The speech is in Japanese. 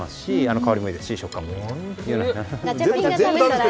香りもいいですし、食感もいい。